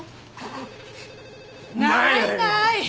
ないない。